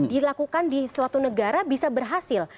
dilakukan di suatu negara bisa berhasil